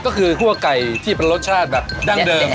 ก็คือคั่วไก่ที่เป็นรสชาติแบบดั้งเดิม